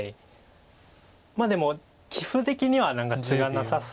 まあでも棋風的には何かツガなさそう。